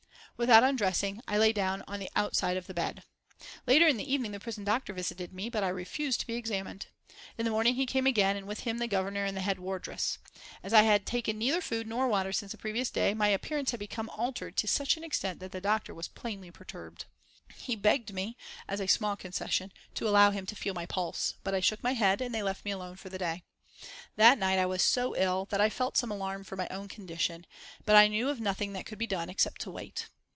Without undressing, I lay down on the outside of the bed. Later in the evening the prison doctor visited me, but I refused to be examined. In the morning he came again, and with him the Governor and the head wardress. As I had taken neither food nor water since the previous day my appearance had become altered to such an extent that the doctor was plainly perturbed. He begged me, "as a small concession," to allow him to feel my pulse, but I shook my head, and they left me alone for the day. That night I was so ill that I felt some alarm for my own condition, but I knew of nothing that could be done except to wait.